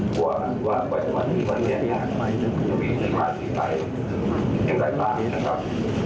กลัวว่าไว้ตอนนี้วันนี้จะมีที่มาที่ไปอย่างไรบ้างนะครับ